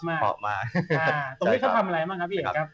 ตรงนี้เขาทำอะไรบ้างครับพี่เอกครับ